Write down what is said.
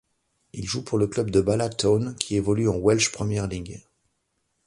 Il joue pour le club de Bala Town qui évolue en Welsh Premier League.